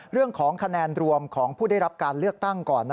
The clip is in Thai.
เรื่องของคะแนนรวมของผู้ได้รับการเลือกตั้งก่อน